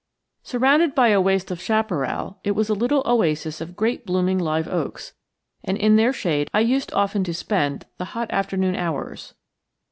Surrounded by a waste of chaparral, it was a little oasis of great blooming live oaks, and in their shade I used often to spend the hot afternoon hours.